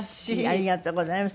ありがとうございます。